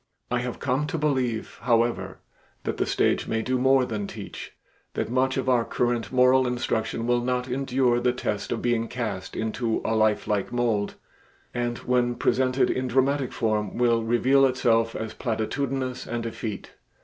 I have come to believe, however, that the stage may do more than teach, that much of our current moral instruction will not endure the test of being cast into a lifelike mold, and when presented in dramatic form will reveal itself as platitudinous and effete.